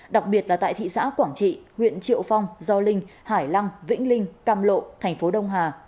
đặc biệt là tại thị xã quảng trị huyện triệu phong gio linh hải lăng vĩnh linh cam lộ thành phố đông hà